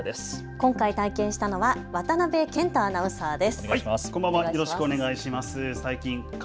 今回、体験したのは渡辺健太アナウンサーです。